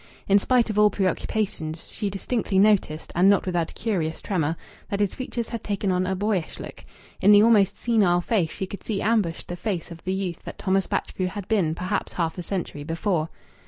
In spite of all preoccupations, she distinctly noticed and not without a curious tremor that his features had taken on a boyish look. In the almost senile face she could see ambushed the face of the youth that Thomas Batchgrew had been perhaps half a century before.